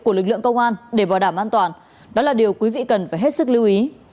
của lực lượng công an để bảo đảm an toàn đó là điều quý vị cần phải hết sức lưu ý